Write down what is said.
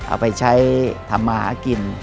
เอาไปใช้ธมากิน